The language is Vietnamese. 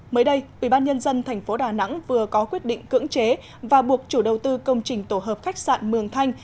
mới đây ubnd tp đà nẵng vừa có quyết định cưỡng chế và buộc chủ đầu tư công trình tổ hợp khách sạn mường thanh